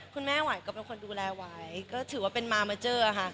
คุณแม่หวายก็เป็นคนดูแลหวายก็ถือว่าเป็นมาร์เมอร์เจอร์